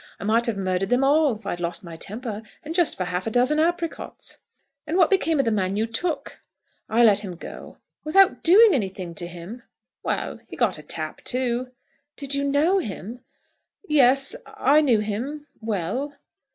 I might have murdered them all, if I'd lost my temper, and just for half a dozen apricots!" "And what became of the man you took?" "I let him go." "Without doing anything to him?" "Well; he got a tap too." "Did you know him?" "Yes, I knew him, well."